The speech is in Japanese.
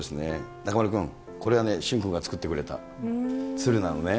中丸君、これはね、駿君が作ってくれた鶴なのね。